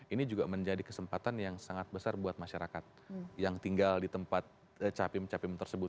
ini juga menjadi kesempatan yang sangat besar buat masyarakat yang tinggal di tempat capim capim tersebut